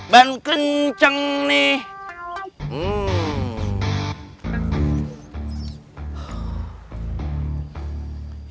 ban kenceng nih